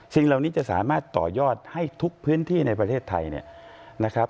สิ่งเหล่านี้จะสามารถต่อยอดให้ทุกพื้นที่ในประเทศไทยเนี่ยนะครับ